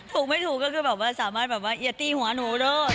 ถูกไม่ถูกก็คือแบบว่าสามารถแบบว่าอย่าตีหัวหนูเด้อ